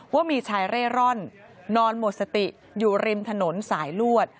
ว่ามีชายเร่ร่อนนอนหมดสติอยู่ริมถนนสายลวด